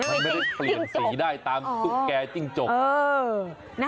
มันไม่ได้เปลี่ยนสีได้ตามตุ๊กแก่จิ้งจก